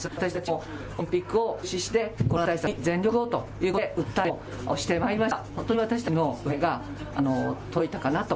私たちはオリンピックを中止してコロナ対策に全力をということで訴えをしてまいりました。